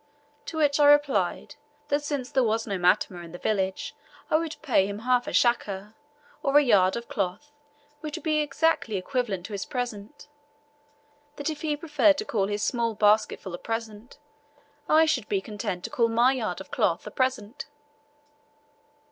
To which I replied that since there was no matama in the village I would pay him half a shukka, or a yard of cloth, which would be exactly equivalent to his present; that if he preferred to call his small basketful a present, I should be content to call my yard of cloth a present.